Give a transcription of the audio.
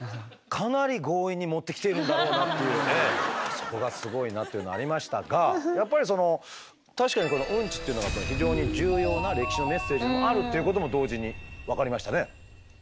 そこがすごいなっていうのはありましたがやっぱりその確かにこのウンチっていうのが非常に重要な歴史のメッセージでもあるっていうことも同時に分かりましたね。